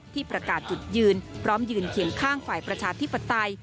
ที่ประกาศจุดยืนพร้อมยืนเคียงข้างฝ่ายประชาธิปไตย